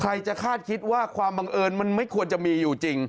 ใครจะคาดคิดว่าความบังเอิญมันไม่ควรจะมีอยู่จริง